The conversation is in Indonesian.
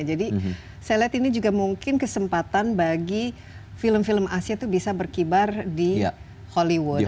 saya lihat ini juga mungkin kesempatan bagi film film asia itu bisa berkibar di hollywood